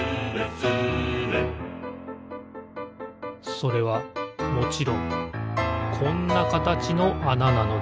それはもちろんこんなかたちのあななのです